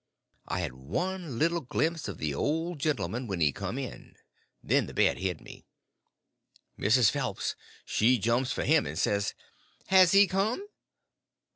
I had just one little glimpse of the old gentleman when he come in; then the bed hid him. Mrs. Phelps she jumps for him, and says: "Has he come?"